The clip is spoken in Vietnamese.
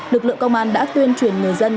lực lượng công an đã tuyên truyền người dân